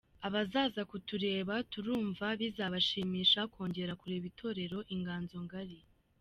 Abazaza kutureba turumva bizabashimisha kongera kureba Itorero Inganzo Ngari.